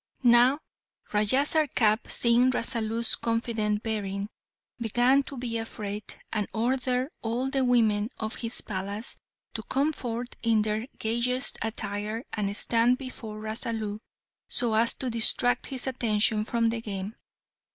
Now, Raja Sarkap, seeing Rasalu's confident bearing, began to be afraid, and ordered all the women of his palace to come forth in their gayest attire and stand before Rasalu, so as to distract his attention from the game.